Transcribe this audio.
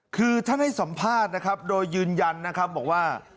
คือท่านให้สัมภาษณ์โดยยืนยันว่า